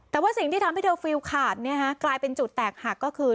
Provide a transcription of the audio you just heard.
แต่ว่าสิ่งที่ทำให้เธอฟิลขาดกลายเป็นจุดแตกหักก็คือ